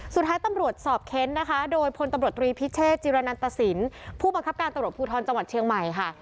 สุดท้ายตำรวจสอบเค้นนะคะโดยพลตำรวจตรีพิเชษจิรนันตสินผู้บังคับการตำรวจภูทรจังหวัดเชียงใหม่ค่ะ